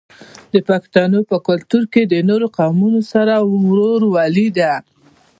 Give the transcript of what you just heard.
د پښتنو په کلتور کې د نورو قومونو سره ورورولي ده.